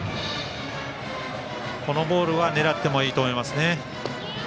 このボールは狙ってもいいと思いますね。